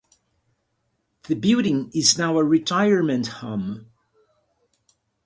The building is now a retirement home.